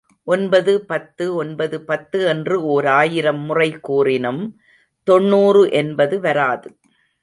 ஒன்பது பத்து ஒன்பது பத்து என்று ஓராயிரம் முறை கூறினும் தொண்ணூறு என்பது வராது.